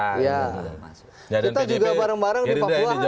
kita juga bareng bareng di papua